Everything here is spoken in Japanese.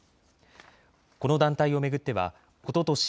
この団体を巡ってはおととし